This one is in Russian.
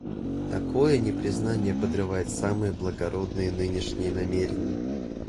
Такое непризнание подрывает самые благородные нынешние намерения.